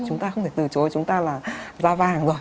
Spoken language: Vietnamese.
chúng ta không thể từ chối chúng ta là ra vàng rồi